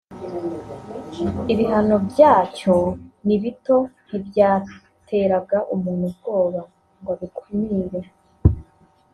ibihano byacyo ni bito ntibyateraga umuntu ubwoba ngo abikumire